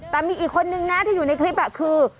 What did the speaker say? แต่มีอีกคนนึงนะที่อยู่ในคลิปคือ